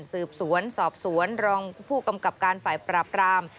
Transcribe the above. สืบสวนสอบสวนรองผู้กำกับการฝ่ายปราบราม